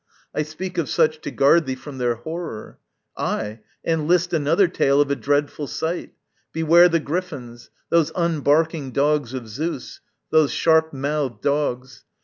I speak of such To guard thee from their horror. Ay, and list Another tale of a dreadful sight; beware The Griffins, those unbarking dogs of Zeus, Those sharp mouthed dogs!